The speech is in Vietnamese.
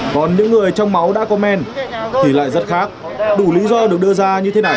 còn những người trong máu đã có men thì lại rất khác đủ lý do được đưa ra như thế này